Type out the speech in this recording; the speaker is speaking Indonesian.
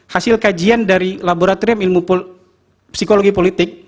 hasil kajian dari laboratorium ilmu psikologi politik